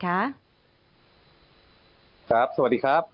ครับสวัสดีครับ